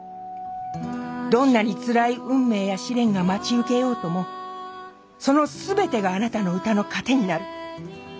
どんなに辛い運命や試練が待ち受けようともその全てがあなたの歌の糧になる。